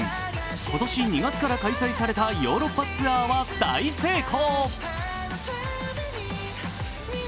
今年２月から開催されたヨーロッパツアーは大成功。